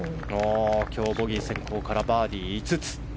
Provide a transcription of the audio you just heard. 今日、ボギー先行からバーディー５つ。